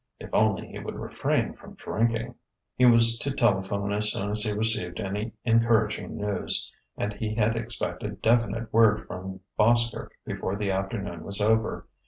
If only he would refrain from drinking.... He was to telephone as soon as he received any encouraging news; and he had expected definite word from Boskerk before the afternoon was over.